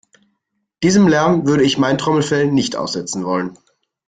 Diesem Lärm würde ich mein Trommelfell nicht aussetzen wollen.